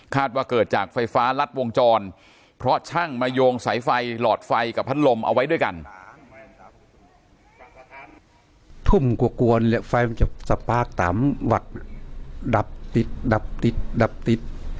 ว่าเกิดจากไฟฟ้ารัดวงจรเพราะช่างมาโยงสายไฟหลอดไฟกับพัดลมเอาไว้ด้วยกัน